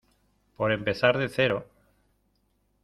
por empezar de cero.